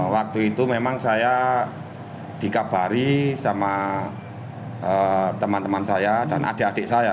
waktu itu memang saya dikabari sama teman teman saya dan adik adik saya